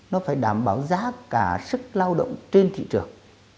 nó phải đảm bảo giá cả sức lao động trên thị trường